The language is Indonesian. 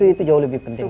itu jauh lebih penting